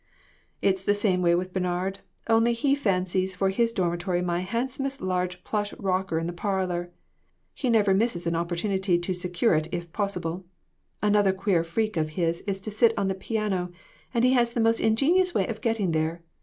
"" It's the same way with Bernard, only he fan cies for his dormitory my handsomest large plush rocker in the parlor. He never misses an oppor tunity to secure it, if possible. Another queer freak of his is to sit on the piano, and he has the most ingenious way of getting there.